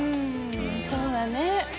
そうだね。